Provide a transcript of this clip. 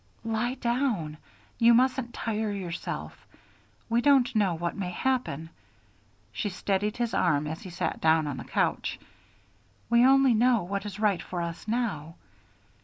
"Lie down. You mustn't tire yourself. We don't know what may happen," she steadied his arm as he sat down on the couch; "we only know what is right for us now.